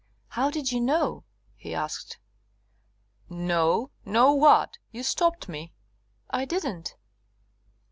"How did you know?" he asked. "Know! Know what? You stopped me." "I didn't."